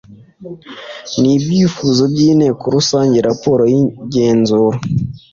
n ibyifuzo by inteko rusange raporo y igenzura